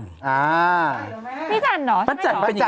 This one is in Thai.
อ๋อถูกต้องนี่จันเหรอใช่ไหม